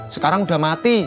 sekarang udah mati